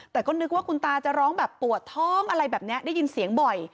แต่ก็นึกว่าคุณตาจะร้องแบบปวดท้องอะไรแบบนี้ได้ยินเสียงบ่อย